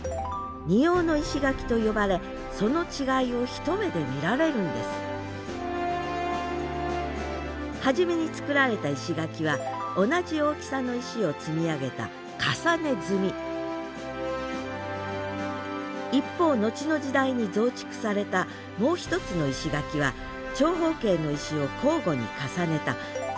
二様の石垣と呼ばれその違いを一目で見られるんです初めに作られた石垣は同じ大きさの石を積み上げた重ね積み一方の後の時代に増築されたもう一つの石垣は長方形の石を交互に重ねた算木積みという積み方。